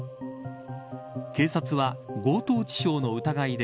警察は、強盗致傷の疑いで